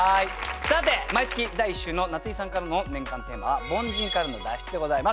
さて毎月第１週の夏井さんからの年間テーマは「凡人からの脱出」でございます。